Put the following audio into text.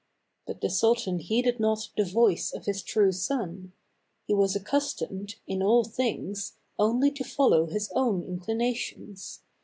But the sultan heeded not the voice of his true son; he was accustomed, in all things, only to follow hjs own inclinations.